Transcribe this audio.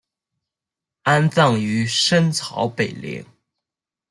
安葬于深草北陵。